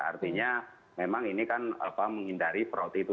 artinya memang ini kan menghindari fraud itu